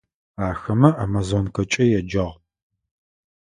Ахэмэ «Амазонкэкӏэ» яджагъ.